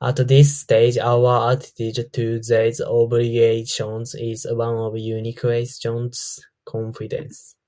At this stage our attitude to these obligations is one of unquestioning confidence.